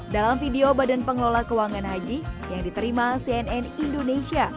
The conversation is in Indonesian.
dalam video badan pengelola keuangan haji yang diterima cnn indonesia